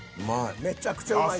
めちゃくちゃうまい。